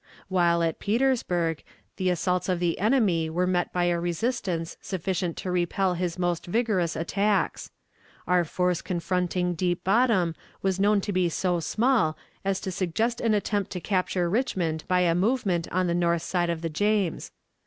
While at Petersburg, the assaults of the enemy were met by a resistance sufficient to repel his most vigorous attacks; our force confronting Deep Bottom was known to be so small as to suggest an attempt to capture Richmond by a movement on the north side of the James.